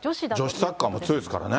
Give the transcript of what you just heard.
女子サッカーも強いですからね。